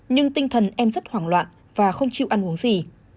nhưng tinh thần em rất hoảng loạn và không chịu ăn uống gì